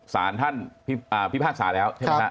สารท่านพี่ภาคสาห์แล้วใช่ไหมคะ